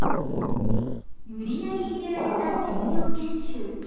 無理やり入れられた林業研修。